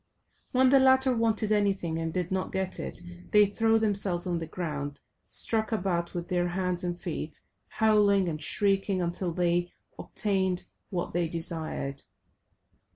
When the latter wanted anything and did not get it, they threw themselves on the ground, struck about with their hands and feet, howling and shrieking until they obtained what they desired.